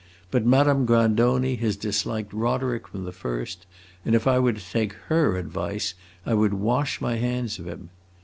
But Madame Grandoni has disliked Roderick from the first, and if I were to take her advice I would wash my hands of him.